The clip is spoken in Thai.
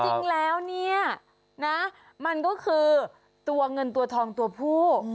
จริงแล้วเนี่ยนะมันก็คือตัวเงินตัวทองตัวผู้